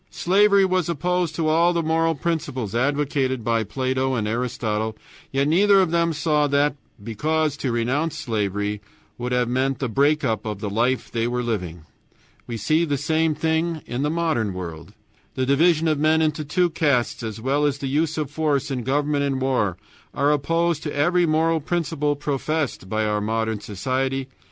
Slavery was opposed to all the moral principles advocated by Plato and Aristotle, yet neither of them saw that, because to renounce slavery would have meant the break up of the life they were living. We see the same thing in our modern world. The division of men into two castes, as well as the use of force in government and war, are opposed to every moral principle professed by our modern society.